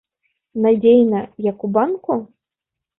Надзейна, як у банку?